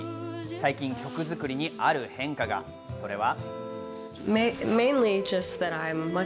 最近、曲作りである変化が。それは。